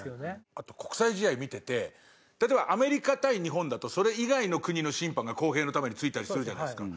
あと国際試合見てて例えばアメリカ対日本だとそれ以外の国の審判が公平のためについたりするじゃないですか。